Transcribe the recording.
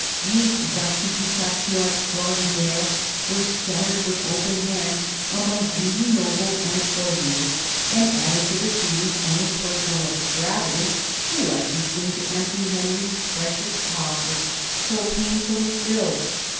These " gratifications extraordinaires " were scattered with open hand among greedy nobles and courtiers, and, added to the Queen's own personal extravagance, were likely soon to empty Henry's precious coffers, so painfully filled.